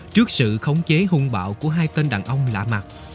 trước sự khống chế hung bạo của hai tên đàn ông lạ mặt